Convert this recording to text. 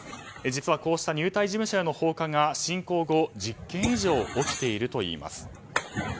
実は、こうした入隊事務所への放火が、侵攻後１０件以上起きているといいます。